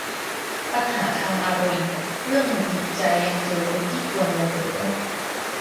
ปัญหาทางอารมณ์ เรื่องหงุดหงิดใจ ยังเจอคนที่กวนโมโห